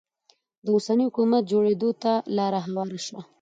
د اوسني حکومت جوړېدو ته لاره هواره شوه.